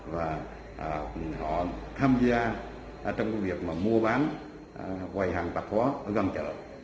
và họ tham gia trong cái việc mà mua bán quầy hàng tạp hóa ở gần chợ